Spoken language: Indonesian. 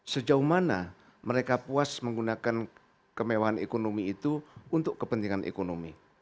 sejauh mana mereka puas menggunakan kemewahan ekonomi itu untuk kepentingan ekonomi